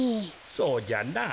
そうじゃな。